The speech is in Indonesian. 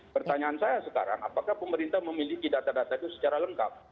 pertanyaan saya sekarang apakah pemerintah memiliki data data itu secara lengkap